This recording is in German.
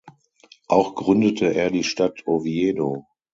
Auch gründete er die Stadt Oviedo.